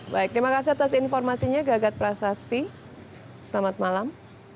baik terima kasih atas informasinya gagat prasasti selamat malam